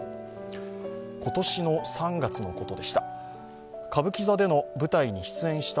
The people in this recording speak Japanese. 今年の３月のことでした。